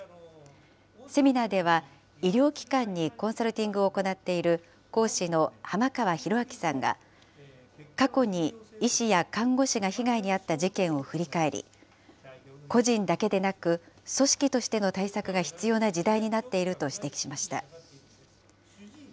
セミナーでは、医療機関にコンサルティングを行っている、講師の濱川博招さんが、過去に医師や看護師が被害に遭った事件を振り返り、個人だけでなく、組織としての対策が必要な時代になっていると指摘しました。